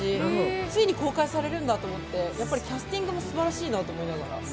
ついに公開されるんだと思って、やっぱりキャスティングもすばらしいなと思いながら。